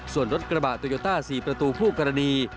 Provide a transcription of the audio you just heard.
ส่วนรถกระบะโตโยต้า๔ประตูคู่กรณี